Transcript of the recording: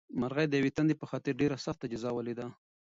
مرغۍ د یوې تندې په خاطر ډېره سخته جزا ولیده.